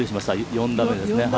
４打目ですね。